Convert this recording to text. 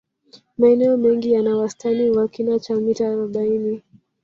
Maeneo mengi yana wastani wa kina cha mita arobaini